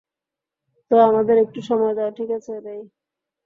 তো আমাদের একটু সময় দাও, ঠিক আছে, রেই?